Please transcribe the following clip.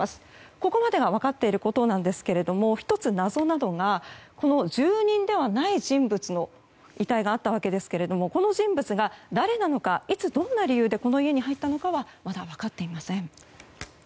ここまでが分かっていることですが１つ、謎なのが住人ではない人物の遺体があったわけですけどもこの人物が誰なのかいつどんな理由でこの家に入ったかはまだ分かっていません。